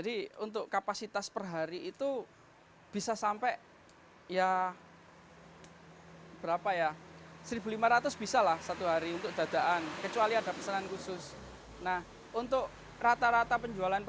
yang sambal icu itu enak